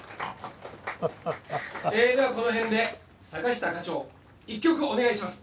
「ではこの辺で坂下課長１曲お願いします」